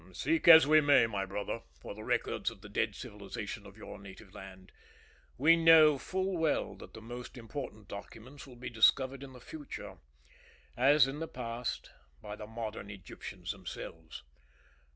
"Seek as we may, my brother, for the records of the dead civilization of your native land, we know full well that the most important documents will be discovered in the future, as in the past, by the modern Egyptians themselves.